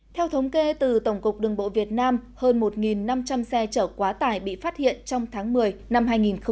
theo thống kê từ tổng cục đường bộ việt nam hơn một năm trăm linh xe chở quá tải bị phát hiện trong tháng một mươi năm hai nghìn một mươi chín